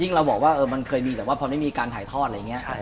เราบอกว่ามันเคยมีแต่ว่าพอไม่มีการถ่ายทอดอะไรอย่างนี้